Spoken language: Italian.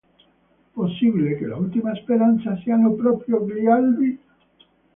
Possibile che l’ultima speranza siano proprio gli albi?